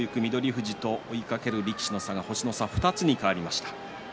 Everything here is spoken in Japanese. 富士と追いかける力士の差星の差２つに変わりました。